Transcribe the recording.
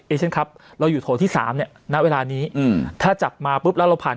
เอเชียนครับเราอยู่โถที่๓เนี่ยณเวลานี้ถ้าจับมาปุ๊บแล้วเราผ่าน